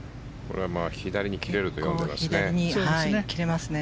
左に切れると読んでいますね。